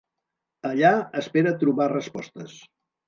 Allà, espera trobar respostes.